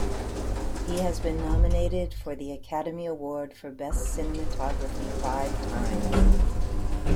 He has been nominated for the Academy Award for Best Cinematography five times.